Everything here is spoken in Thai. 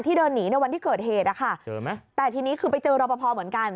เดินหนีในวันที่เกิดเหตุนะคะเจอไหมแต่ทีนี้คือไปเจอรอปภเหมือนกัน